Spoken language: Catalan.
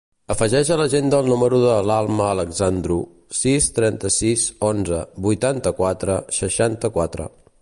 Afegeix a l'agenda el número de l'Alma Alexandru: sis, trenta-sis, onze, vuitanta-quatre, seixanta-quatre.